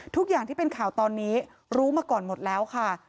ทุกอย่างที่เป็นข่าวตอนนี้รู้มาก่อนหมดแล้วค่ะ